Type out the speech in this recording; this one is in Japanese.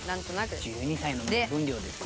１２歳の目分量ですよ。